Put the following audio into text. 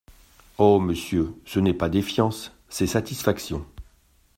Oh ! monsieur, ce n’est pas défiance, c’est satisfaction.